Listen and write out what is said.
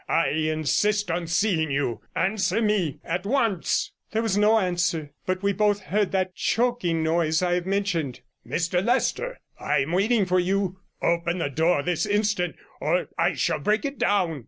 I insist on seeing you. Answer me at once.' There was no answer, but we both heard that choking noise I have mentioned. 'Mr Leicester, I am waiting for you. Open the door this instant, or I shall break it down.'